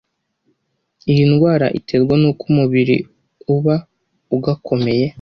iyi ndwara iterwa nuko umubiri uba ugakomeye